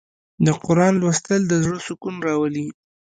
د قرآن لوستل د زړه سکون راولي.